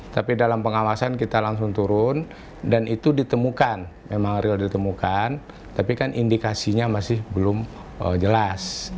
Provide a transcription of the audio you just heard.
tapi dalam pengawasan kita langsung turun dan itu ditemukan memang real ditemukan tapi kan indikasinya masih belum jelas